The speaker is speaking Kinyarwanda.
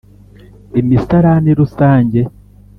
imisarani rusange